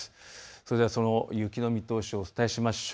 それではその雪の見通しをお伝えしましょう。